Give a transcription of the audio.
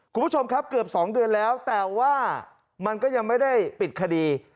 คุณผู้ชมครับเกือบ๒เดือนแล้วแต่ว่ามันก็ยังไม่ได้ปิดคดี